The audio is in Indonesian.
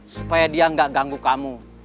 supaya dia nggak ganggu kamu